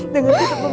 dengan kita membantu